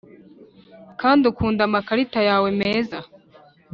kandi ukunda amakarita yawe meza.